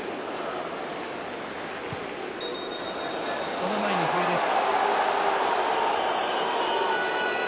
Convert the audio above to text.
その前に笛です。